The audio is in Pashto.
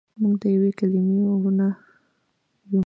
موږ دیوې کلیمې وړونه یو.